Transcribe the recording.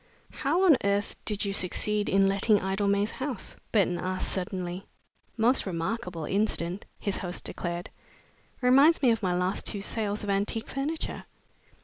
"How on earth did you succeed in letting Idlemay House?" Burton asked suddenly. "Most remarkable incident," his host declared. "Reminds me of my last two sales of antique furniture.